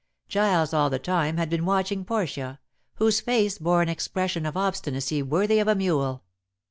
Giles all the time had been watching Portia, whose face bore an expression of obstinacy worthy of a mule.